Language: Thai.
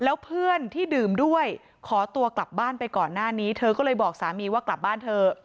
แล้วเพื่อนที่ดื่มด้วยขอตัวกลับบ้านไปก่อนหน้านี้เธอก็เลยบอกสามีว่ากลับบ้านเถอะ